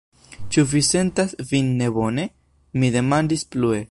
Ĉu vi sentas vin nebone? mi demandis plue.